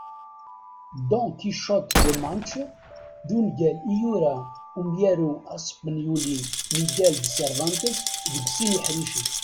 Don Quichotte de Manche d ungal i yura umyaru aspenyuli Miguel de Cervantes deg sin iḥricen.